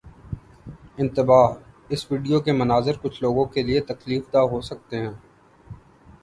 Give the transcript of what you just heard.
انتباہ: اس ویڈیو کے مناظر کچھ لوگوں کے لیے تکلیف دہ ہو سکتے ہیں